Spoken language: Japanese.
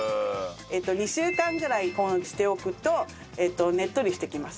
２週間ぐらい保温しておくとねっとりしてきます。